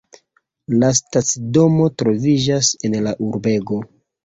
La stacidomo troviĝas en la urbego.